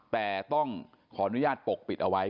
แต่ต้องขออนุญาตปกปิดเอาไว้